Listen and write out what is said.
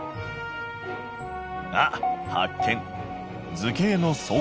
あっ発見！